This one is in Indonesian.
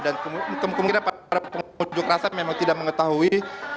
dan kemungkinan para pengunjuk rasa memang tidak mengetahui